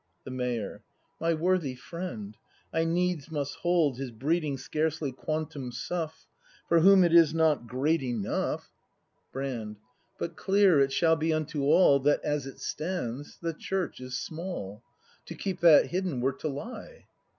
The Mayor. My worthy friend, I needs must hold His breeding scarcely quantum suff. For whom it is not great enough. 230 BRAND [ACT V Brand. But clear it shall be unto all That, as it stands, the Church is small. To keep that hidden were to lie.